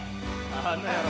あの野郎。